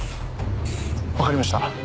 わかりました。